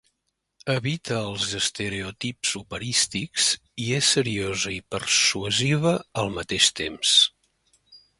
Evita els estereotips operístics, i és seriosa i persuasiva al mateix temps.